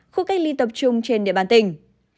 khu cách ly tập trung trên địa bàn tỉnh